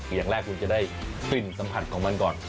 อย่างแรกคุณจะได้กลิ่นสัมผัสของมันก่อน